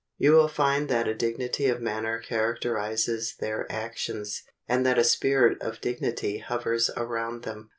You will find that a dignity of manner characterizes their actions, and that a spirit of dignity hovers around them.